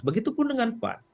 begitupun dengan p empat